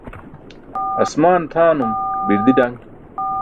Aasmaan tʰaanum, birdi daṅ